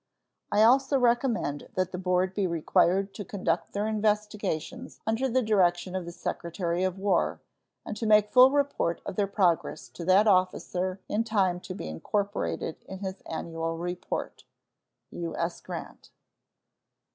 I also recommend that the board be required to conduct their investigations under the direction of the Secretary of War, and to make full report of their progress to that officer in time to be incorporated in his annual report. U.S. GRANT.